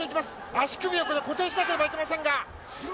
足首を固定しなければいけません。